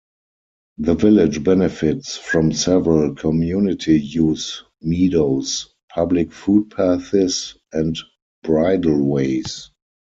The village benefits from several community use meadows, public footpaths and bridleways.